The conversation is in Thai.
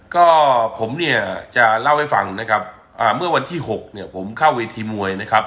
ก็ผมเนี่ยจะเล่าให้ฟังนะครับอ่าเมื่อวันที่๖เนี่ยผมเข้าเวทีมวยนะครับ